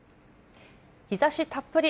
日ざしたっぷり。